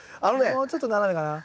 もうちょっと斜めかな。